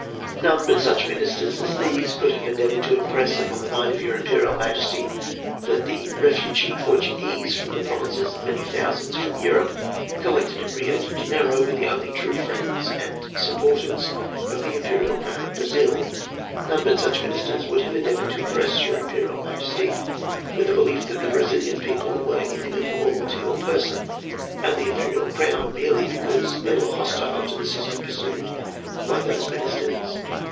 "None but such ministers as these could have endeavoured to impress upon the mind of your Imperial Majesty that the refugee Portuguese from the provinces and many thousands from Europe, collected in Rio de Janeiro, were the only true friends and supporters of the imperial crown of Brazil. None but such ministers would have endeavoured to impress your Imperial Majesty with a belief that the Brazilian people were inimical to your person and the imperial crown, merely because they were hostile to the system pursued by those ministers.